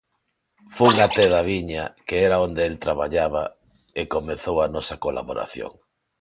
Fun até Daviña, que era onde el traballaba, e comezou a nosa colaboración.